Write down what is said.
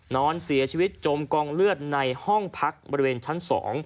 นอนเสียชีวิตจมกองเลือดในห้องพักบริเวณชั้น๒